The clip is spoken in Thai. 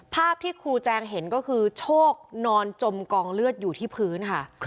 ภาพที่ครูแจงเห็นก็คือโชคนอนจมกองเลือดอยู่ที่พื้นค่ะ